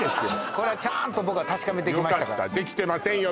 これちゃんと僕は確かめてきましたからよかったできてませんよ